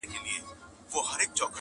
په لاسو کي د اغیار لکه پېلوزی٫